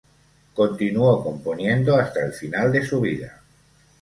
Continuó componiendo hasta el final de su vida.